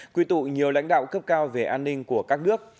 quy tụ nhiều lãnh đạo cấp cao về an ninh của các nước